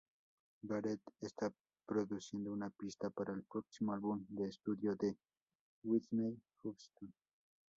Garrett está produciendo una pista para el próximo álbum de estudio de Whitney Houston.